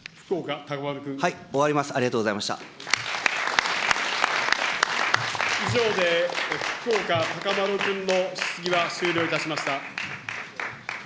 終わります、ありがとうござ以上で、福岡資麿君の質疑は終了いたしました。